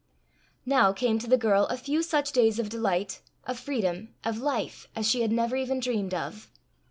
Now came to the girl a few such days of delight, of freedom, of life, as she had never even dreamed of.